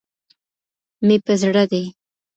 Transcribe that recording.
مي په زړه دي